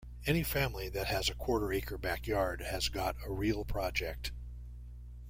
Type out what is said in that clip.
Any family that has a quarter-acre backyard has got a real project.